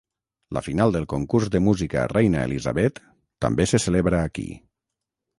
La final del Concurs de Música Reina Elisabet també se celebra aquí.